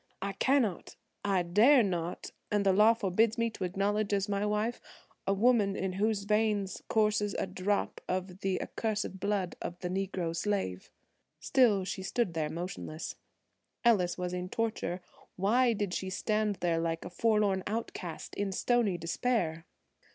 I cannot, I dare not, and the law forbids me to acknowledge as my wife a woman in whose veins courses a drop of the accursed blood of the Negro slave." Still she stood there motionless. Ellis was in torture. Why did she stand there like a forlorn outcast, in stony despair?